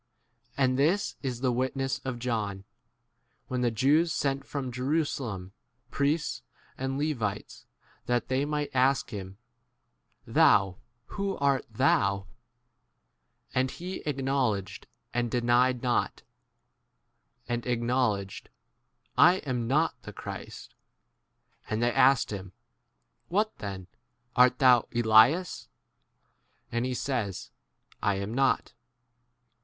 And this is the witness of John, when the Jews sent from Jerusalem priests and Levites that they might ask him, 29 Thou, who art thou ? And he acknowledged and denied not, and acknowledged, I* am not the Christ. 21 And they asked him, What then ? Art thou * Elias ? And he says, I am not.